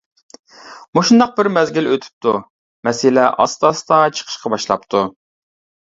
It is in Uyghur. مۇشۇنداق بىر مەزگىل ئۆتۈپتۇ، مەسىلە ئاستا-ئاستا چىقىشقا باشلاپتۇ.